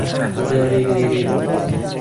دارێک لێرەیە.